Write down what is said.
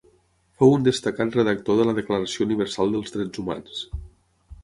Fou un destacat redactor de la Declaració Universal dels Drets Humans.